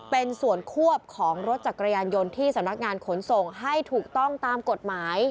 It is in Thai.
เป็นส่วนควบของรถจักรยานยนต์ที่สำนักงานขนส่งให้ถูกต้องตามกฎหมาย